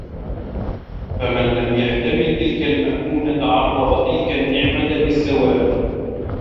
فَمَنْ لَمْ يَحْتَمِلْ تِلْكَ الْمَئُونَةَ عَرَضَ تِلْكَ النِّعْمَةَ لِلزَّوَالِ